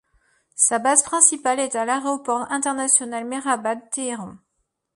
Sa base principale est à l'Aéroport international Mehrabad, Téhéran.